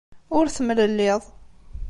Ur temlelliḍ.